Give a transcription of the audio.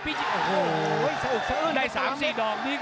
พี่ขึ้นมาสวยงามเลยครับน้ำเงิน